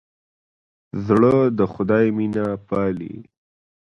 زړه د خدای مینه پالي.